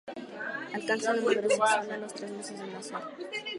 Alcanzan la madurez sexual a los tres meses de nacer.